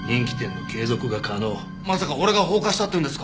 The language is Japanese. まさか俺が放火したって言うんですか！？